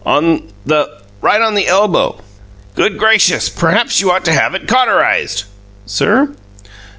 "On the right on the elbow." "Good gracious! Perhaps you ought to have it cauterized." "Sir?"